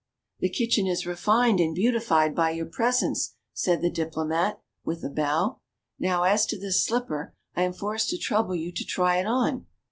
The kitchen is refined and beautified by your presence," said the Diplomat, with a bow. Now as to this slipper, I am forced to trouble you to try it on."